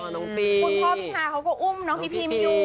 คุณพ่อพิธาเขาก็อุ้มน้องพี่พิมอยู่